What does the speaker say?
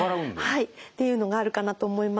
はいっていうのがあるかなと思います。